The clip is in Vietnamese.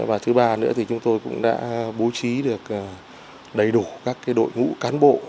và thứ ba nữa thì chúng tôi cũng đã bố trí được đầy đủ các đội ngũ cán bộ